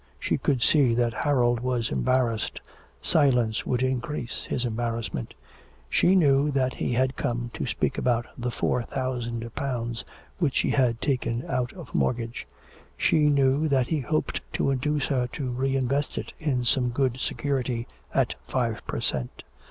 She could see that Harold was embarrassed, silence would increase his embarrassment. She knew that he had come to speak about the 4000 pounds which she had taken out of mortgage. She knew that he hoped to induce her to re invest it in some good security at five per cent.